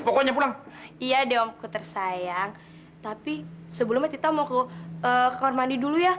pokoknya pulang iya dong aku tersayang tapi sebelumnya kita mau ke kamar mandi dulu ya